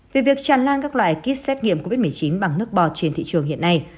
về việc tràn lan các loại kit xét nghiệm covid một mươi chín bằng nước bọt trên thị trường hiện nay